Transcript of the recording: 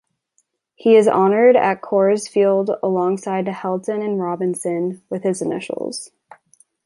He is honored at Coors Field alongside Helton and Robinson with his initials.